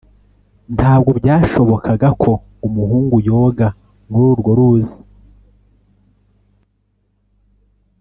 Ntabwo byashobokaga ko umuhungu yoga muri urwo ruzi